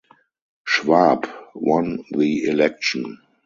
Schwab won the election.